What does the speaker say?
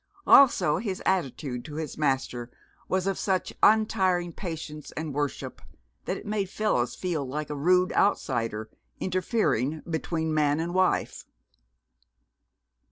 Also his attitude to his master was of such untiring patience and worship that it made Phyllis feel like a rude outsider interfering between man and wife.